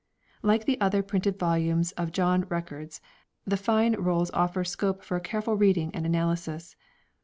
Like the other printed volumes of John Records the Fine Rolls offer scope for a careful reading and analysis.